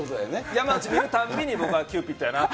山内見るたんびに僕はキューピットやなって。